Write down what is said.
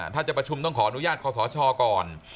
ถ้าจะประชุมต้องขออนุญาตคอสชก่อน